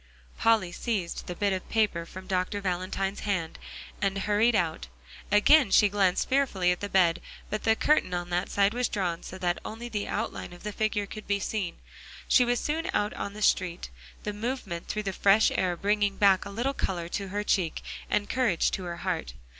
Polly seized the bit of paper from Dr. Valentine's hand, and hurried out. Again she glanced fearfully at the bed, but the curtain on that side was drawn so that only the outline of the figure could be seen. She was soon out on the street, the movement through the fresh air bringing back a little color to her cheek and courage to her heart.